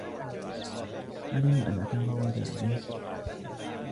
علي أن أتعود عليه.